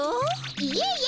いえいえ